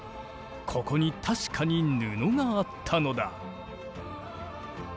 ここに確かに布があったのだ。